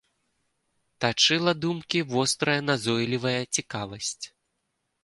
Тачыла думкі вострая назойлівая цікавасць.